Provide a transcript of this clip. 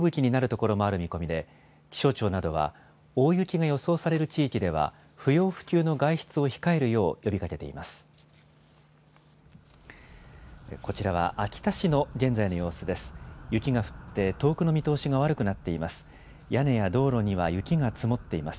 こちらは秋田市の現在の様子です。